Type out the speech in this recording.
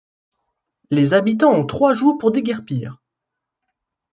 Les habitants ont trois jours pour déguerpir.